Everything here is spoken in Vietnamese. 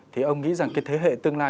thì ông nghĩ rằng cái thế hệ tương lai